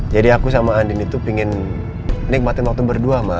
jadi aku sama andin itu pingin nikmatin waktu berdua ma